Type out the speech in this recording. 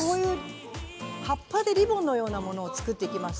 葉っぱでリボンのようなものを作っていきます。